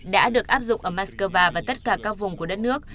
đã được áp dụng ở moscow và tất cả các vùng của đất nước